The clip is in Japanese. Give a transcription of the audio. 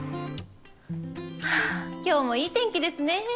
はぁ今日もいい天気ですね。